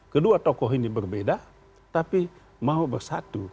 kedua tokoh ini berbeda tapi mau bersatu